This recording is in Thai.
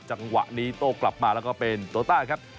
จังหวะนี้โต้กลับมาแล้วก็เป็นโตต้าครับ